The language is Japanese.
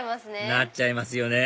なっちゃいますよね